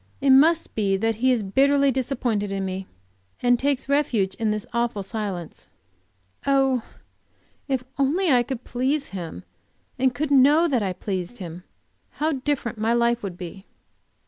It must be that he is bitterly disappointed in me, and takes refuge in this awful silence. Oh, if I could only please him, and know that I pleased him, how different my life would be!